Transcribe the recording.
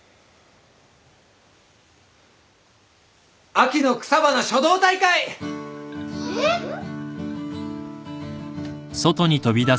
・秋の草花書道大会！えっ？はっ？